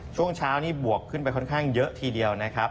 ช่วงเช้านี้บวกขึ้นไปค่อนข้างเยอะทีเดียวนะครับ